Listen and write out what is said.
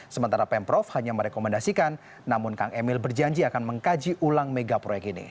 sementara pemprov hanya merekomendasikan namun kang emil berjanji akan mengkaji ulang mega proyek ini